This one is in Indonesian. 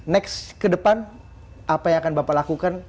next ke depan apa yang akan bapak lakukan